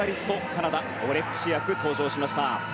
カナダ、オレクシアク登場しました。